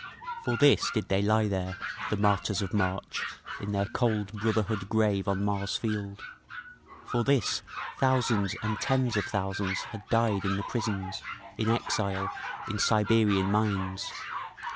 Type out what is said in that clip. For this did they lie there, the martyrs of March, in their cold Brotherhood Grave on Mars Field; for this thousands and tens of thousands had died in the prisons, in exile, in Siberian mines.